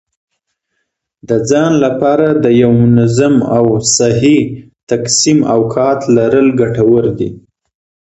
د ځان لپاره د یو منظم او صحي تقسیم اوقات لرل ګټور دي.